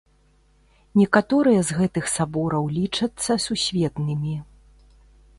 Некаторыя з гэтых сабораў лічацца сусветнымі.